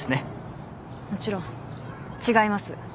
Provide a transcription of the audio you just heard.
もちろん違います。